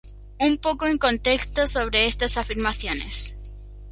Un poco en contexto sobre estas afirmaciones.